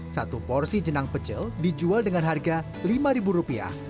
satu porsi jenang pecel dijual dengan harga rp lima